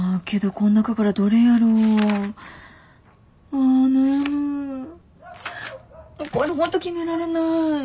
こういうの本当決められない。